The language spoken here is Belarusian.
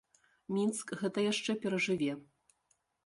Мінск гэта яшчэ перажыве.